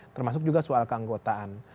termasuk juga soal keanggotaan